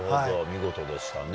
見事でしたね。